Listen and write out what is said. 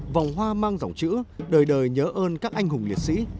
vòng hoa mang dòng chữ đời đời nhớ ơn các anh hùng liệt sĩ